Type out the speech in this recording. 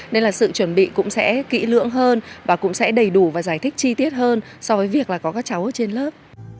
nên là sự chuẩn bị cũng sẽ kỹ lưỡng hơn và cũng sẽ đầy đủ và giải thích chi tiết hơn so với việc là có các cháu ở trên lớp